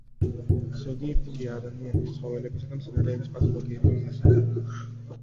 ზოგიერთი კი ადამიანის, ცხოველებისა და მცენარეების პათოლოგიების მიზეზია.